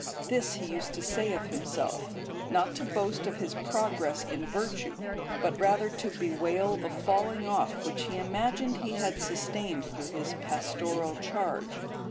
This he used to say of himself, not to boast of his progress in virtue, but rather to bewail the falling off which he imagined he had sustained through his pastoral charge.